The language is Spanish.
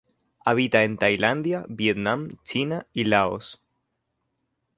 Habita en Tailandia, Vietnam, China y Laos.